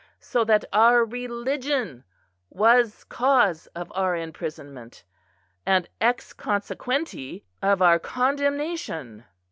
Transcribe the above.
So that our religion was cause of our imprisonment, and ex consequenti, of our condemnation."